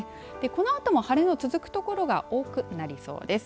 このあとも晴れの続く所が多くなりそうです。